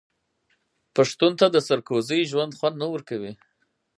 پښتون ته د سرکوزۍ ژوند خوند نه ورکوي.